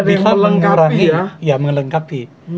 bisa mengurangi ya melengkapi